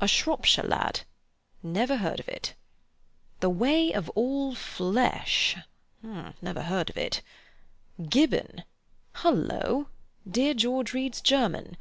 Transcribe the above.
A Shropshire Lad. Never heard of it. The Way of All Flesh. Never heard of it. Gibbon. Hullo! dear George reads German.